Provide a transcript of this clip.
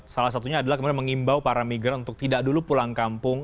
salah satunya adalah kemudian mengimbau para migran untuk tidak dulu pulang kampung